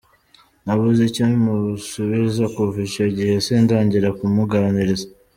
Nabuze icyo musubiza kuva icyo gihe sindongera kumuganiriza.